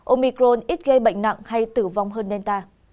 omicron ít gây bệnh nặng hay tử vong hơn delta